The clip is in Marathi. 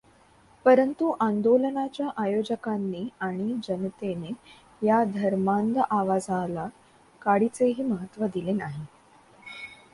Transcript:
परंतु आंदोलनाच्या आयोजकांनी आणि जनतेने या धर्मांध आवाजाला काडीचेही महत्त्व दिले नाही.